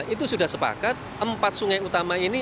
itu sudah sepakat empat sungai utama ini